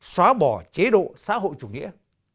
xóa bỏ chế độ xã hội chủ nghĩa